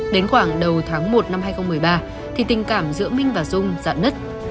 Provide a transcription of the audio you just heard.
đến khoảng đầu tháng một năm hai nghìn một mươi ba tình cảm giữa minh và dung giãn nứt